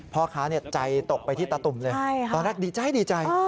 พ่อค้าใจตกไปที่ตาตุ่มเลยตอนแรกดีใจดีใจ